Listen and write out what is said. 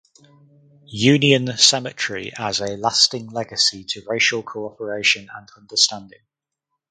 Union cemetery as "a lasting legacy to racial cooperation and understanding".